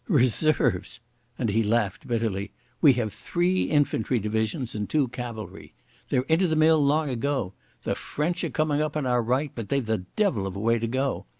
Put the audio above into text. "Reserves!" and he laughed bitterly. "We have three infantry divisions and two cavalry. They're into the mill long ago. The French are coming up on our right, but they've the devil of a way to go.